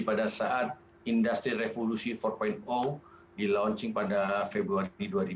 pada saat industri revolusi empat di launching pada februari dua ribu dua puluh